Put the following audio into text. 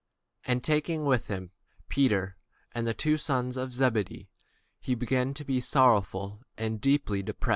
And he took with him Peter and the two sons of Zebedee, and began to be sorrowful and very heavy.